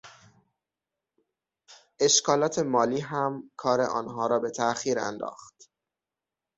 اشکالات مالی هم کار آنها را به تاءخیر انداخت.